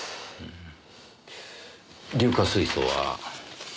硫化水素は。